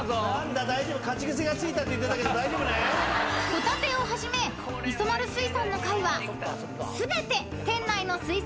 ［ホタテをはじめ磯丸水産の］